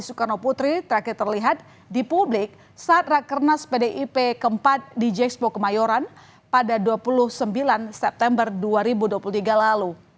soekarno putri terakhir terlihat di publik saat rakernas pdip keempat di jxpo kemayoran pada dua puluh sembilan september dua ribu dua puluh tiga lalu